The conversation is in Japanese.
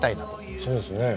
そうですね。